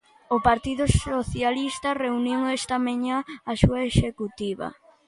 O Partido Socialista reuniu esta mañá a súa executiva.